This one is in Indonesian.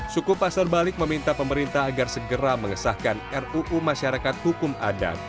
suku pasar balik meminta pemerintah agar segera mengesahkan ruu masyarakat hukum adat